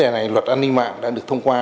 vấn đề này luật an ninh mạng đã được thông qua